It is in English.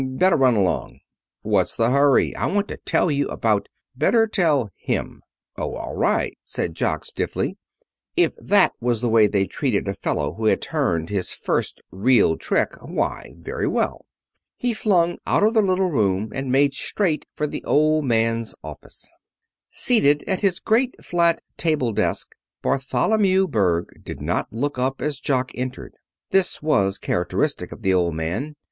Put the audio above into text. Better run along." "What's the hurry? I want to tell you about " "Better tell him." "Oh, all right," said Jock stiffly. If that was the way they treated a fellow who had turned his first real trick, why, very well. He flung out of the little room and made straight for the Old Man's office. Seated at his great flat table desk, Bartholomew Berg did not look up as Jock entered. This was characteristic of the Old Man.